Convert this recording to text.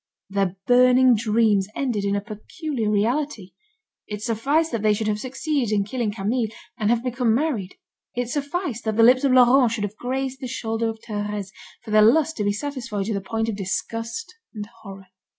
Their burning dreams ended in a peculiar reality: it sufficed that they should have succeeded in killing Camille, and have become married, it sufficed that the lips of Laurent should have grazed the shoulder of Thérèse, for their lust to be satisfied to the point of disgust and horror.